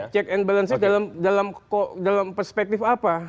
check and balances dalam perspektif apa